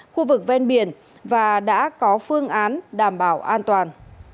khu vực ven biển và đã có phương án đảm bảo an toàn